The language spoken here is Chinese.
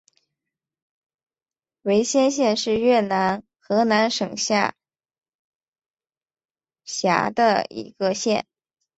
维先县是越南河南省下辖的一个县。